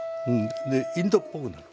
でインドっぽくなる。